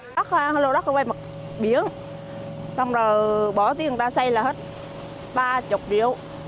đất lôi đất ở bên biển xong rồi bỏ tiền ra xây là hết ba mươi triệu